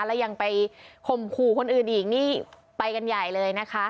แล้วยังไปข่มขู่คนอื่นอีกนี่ไปกันใหญ่เลยนะคะ